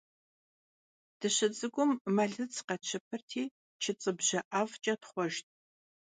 Tşıts'ık'um melıts khetşıpti çıtsıbje 'ef'ç'e txhuejjt.